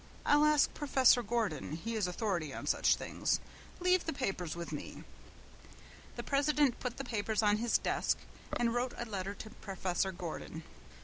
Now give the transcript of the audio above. I'll ask professor Gordon. He is authority on such things. Leave the papers with me." The president put the papers on his desk and wrote a letter to Professor Gordon.